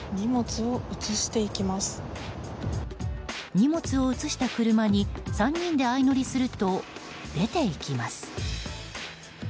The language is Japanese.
荷物を移した車に３人で相乗りすると出て行きます。